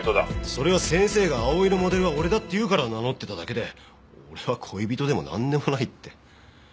それは先生が葵のモデルは俺だって言うから名乗ってただけで俺は恋人でもなんでもないって。